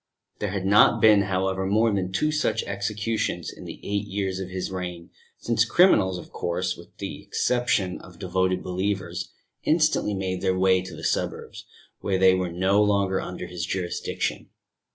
There had not been, however, more than two such executions in the eight years of his reign, since criminals, of course, with the exception of devoted believers, instantly made their way to the suburbs, where they were no longer under his jurisdiction.